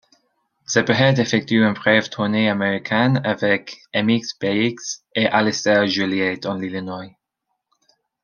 Zebrahead effectue une brève tournée américaine avec MxPx et Allister à Joliet, dans l'Illinois.